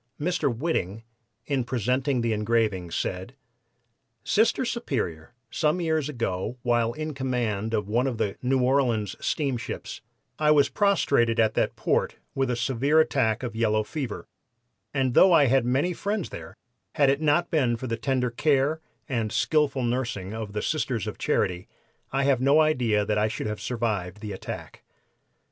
Mr. Whiting, in presenting the engraving, said: "'Sister Superior, some years ago, while in command of one of the New Orleans steamships, I was prostrated at that port with a severe attack of yellow fever, and though I had many friends there, had it not been for the tender care and skillful nursing of the Sisters of Charity, I have no idea that I should have survived the attack.